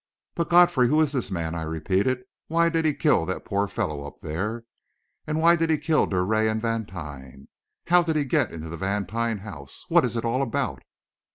"But, Godfrey, who is this man?" I repeated. "Why did he kill that poor fellow up there? Why did he kill Drouet and Vantine? How did he get into the Vantine house? What is it all about?"